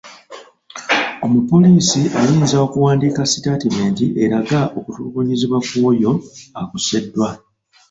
Omupoliisi ayinza okuwandiika sitatimenti eraga okutulugunyizibwa kw'oyo akoseddwa.